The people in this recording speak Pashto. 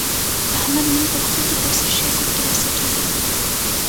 احمد نن په کورتو پسې ښې ګوتې و څټلې.